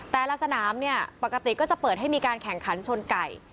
แต่ละสนามเนี่ยปกติก็จะเปิดให้มีการแข่งขันชนไก่